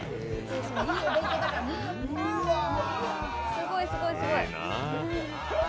すごいすごいすごい。